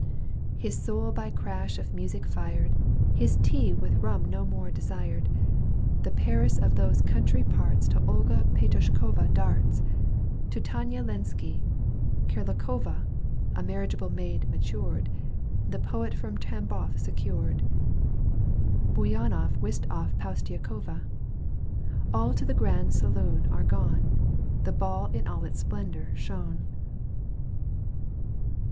ffis soul by crash of music fired, His tea with rum no more desired, The Paris of those country parts To Olga Petoushkova darts : To Tania Lenski; Kharlikova, A marriageable maid matured. The poet from Tamboff secured, Bouyanoff whisked off Poustiakova. All to the grand saloon are gone — The ball in all its splendour shone.